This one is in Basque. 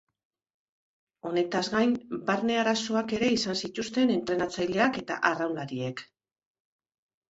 Honetaz gain barne arazoak ere izan zituzten entrenatzaileak eta arraunlariek.